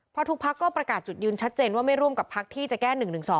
เพราะทุกพักก็ประกาศจุดยืนชัดเจนว่าไม่ร่วมกับพักที่จะแก้๑๑๒